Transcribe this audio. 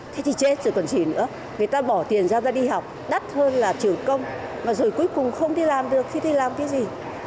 thế thì chết rồi còn gì nữa người ta bỏ tiền ra đi học đắt hơn là trưởng công mà rồi cuối cùng không đi làm được thì đi làm cái gì